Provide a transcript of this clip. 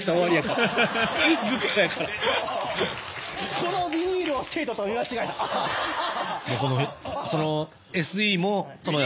このビニールを生徒と見間違えた。